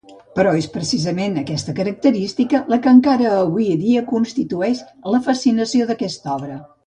Però és precisament aquesta característica la que encara avui dia constitueix la fascinació d'aquesta obra.